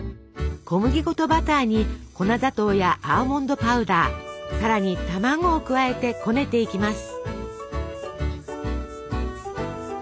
小麦粉とバターに粉砂糖やアーモンドパウダーさらに卵を加えてこねていきます。